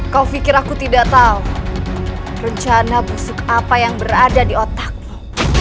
kau pikir aku tidak tahu rencana musik apa yang berada di otakmu